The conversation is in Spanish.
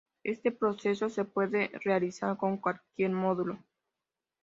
Este proceso se puede realizar con cualquier módulo.